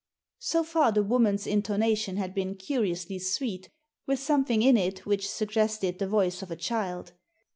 So far the woman's intonation had been curiously sweet, with something in it which suggested the voice of a child.